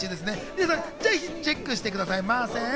皆さん、ぜひチェックしてくださいませ。